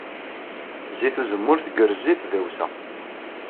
Zzit uzemmur tgerrez i tdawsa.